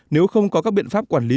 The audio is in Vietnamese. nếu không có các biện pháp quản lý